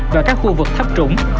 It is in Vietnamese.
và các khu vực thấp trũng